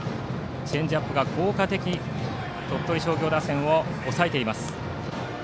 チェンジアップ、効果的に鳥取商業を抑えています。